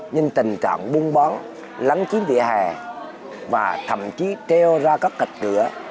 nhưng tình trạng buông bóng lắng chiếm vỉa hè và thậm chí treo ra các cạch cửa